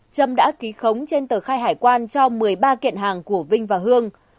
trâm đã ký khống trên tờ khai hải quan cho một mươi ba kiện hàng